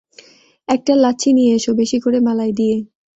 একটা লাচ্ছি নিয়ে এসো, বেশি করে মালাই দিয়ে।